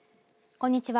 こんにちは。